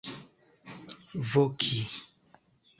voki